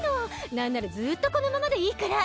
なんならずっとこのままでいいくらい。